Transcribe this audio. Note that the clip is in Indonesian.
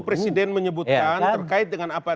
presiden menyebutkan terkait dengan apa yang